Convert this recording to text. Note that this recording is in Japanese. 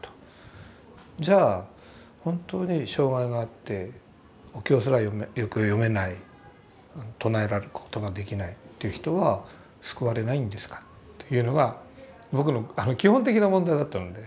じゃあ本当に障害があってお経すらよく読めない唱えることができないという人は救われないんですかというのが僕の基本的な問題だったので。